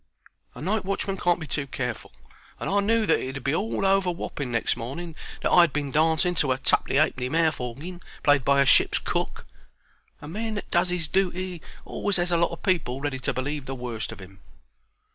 A night watchman can't be too careful, and I knew that it 'ud be all over Wapping next morning that I 'ad been dancing to a tuppenny ha'penny mouth orgin played by a ship's cook. A man that does 'is dooty always has a lot of people ready to believe the worst of 'im.